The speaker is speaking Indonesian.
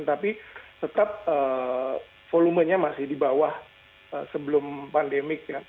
tapi tetap volumenya masih di bawah sebelum pandemik ya